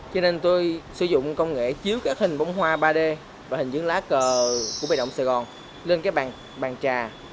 cho nên tôi sử dụng công nghệ chiếu các hình bóng hoa ba d và hình những lá cờ của bày động sài gòn lên cái bàn trà